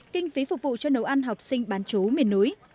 kinh phí phục vụ cho nấu ăn học sinh bán chú miền núi